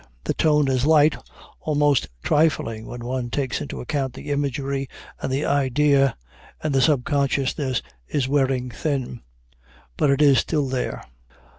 The tone is light, almost trifling, when one takes into account the imagery and the idea, and the subconsciousness is wearing thin; but it is still there.